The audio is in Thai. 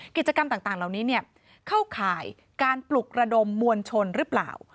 กิจกรรมต่างเหล่านี้เข้าข่ายการปลุกระดมมวลชนหรือเปล่า